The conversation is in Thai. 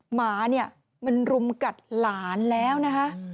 หมาเนี่ยมันรุมกัดหลานแล้วนะคะ